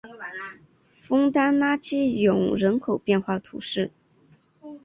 枫丹拉基永人口变化图示